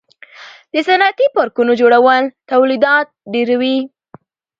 د صنعتي پارکونو جوړول تولیدات ډیروي.